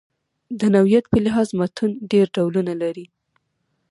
د نوعیت په لحاظ متون ډېر ډولونه لري.